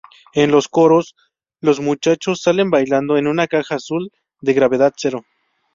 En los coros, los muchachos salen bailando en una caja azul de gravedad-cero.